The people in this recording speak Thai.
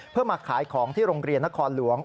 เพื่อมาขายของที่โรงเรียนนครหลวง